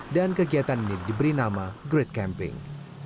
dan kegiatan ini diberi nama great camping